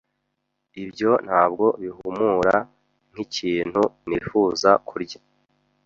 Ibyo ntabwo bihumura nkikintu nifuza kurya.